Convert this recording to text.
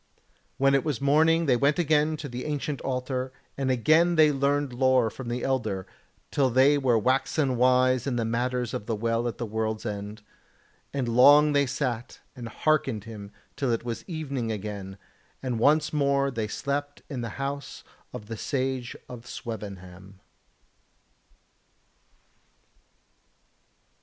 When it was morning they went again to the ancient altar, and again they learned lore from the Elder, till they were waxen wise in the matters of the Well at the World's End, and long they sat and hearkened him till it was evening again, and once more they slept in the house of the Sage of Swevenham.